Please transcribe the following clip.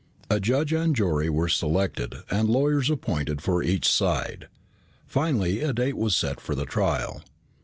A judge and jury were selected and lawyers appointed for each side. Finally a date was set for the trial.